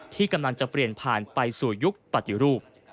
ที่กำลังจะเปลี่ยนผ่านไปสู่ยุคปฏิรูป